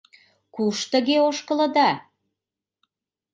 — Куш тыге ошкылыда?